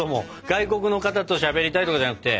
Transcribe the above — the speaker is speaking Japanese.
外国の方としゃべりたいとかじゃなくて。